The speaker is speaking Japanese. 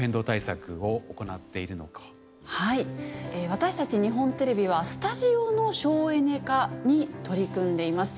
私たち日本テレビはスタジオの省エネ化に取り組んでいます。